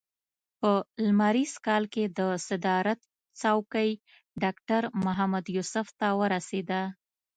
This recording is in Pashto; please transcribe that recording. په لمریز کال کې د صدارت څوکۍ ډاکټر محمد یوسف ته ورسېده.